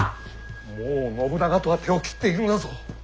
もう信長とは手を切っているのだぞ。